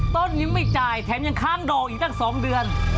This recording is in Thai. ต้นยังไม่จ่ายแถมยังค้างดอกอีกตั้ง๒เดือน